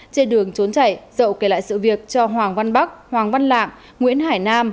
trên đường trốn chạy dậu kể lại sự việc cho hoàng văn bắc hoàng văn lạng nguyễn hải nam